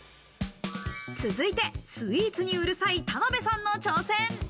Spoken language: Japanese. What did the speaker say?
続いて、スイーツにうるさい田辺さんの挑戦。